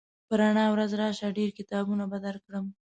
په رڼا ورځ راشه ډېر کتابونه به درکړم